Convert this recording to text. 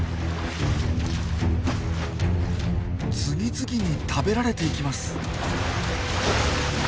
次々に食べられていきます。